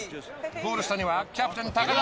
ゴール下にはキャプテン田。